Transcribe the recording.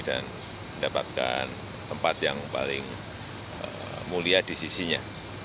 dan mendapatkan tempat yang paling mulia di sisinya